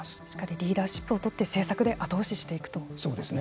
リーダーシップをとって政策で後押ししていくと。